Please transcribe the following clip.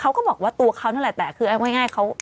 เขาก็ไปพับตามบ้านเขาก็เป็นแบบว่ามีสมาคมของเขา